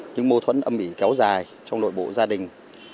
những mâu thuẫn âm ỉ kéo dài trong nội bộ gia đình